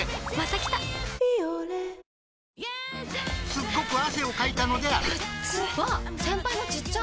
すっごく汗をかいたのであるあっつ。